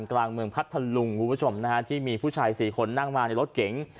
กลางเมืองพัทธลุงที่มีผู้ชายสี่คนนั่งมาในรถเก๋ง